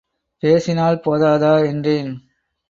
பேசினால் போதாதா? என்றேன்.